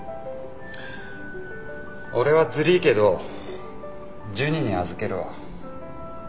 俺はずりぃけどジュニに預けるわ。